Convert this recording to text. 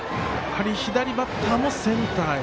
左バッターもセンターへ。